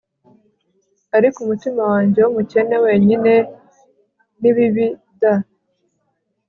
ariko umutima wanjye wumukene wenyine ni bibi'd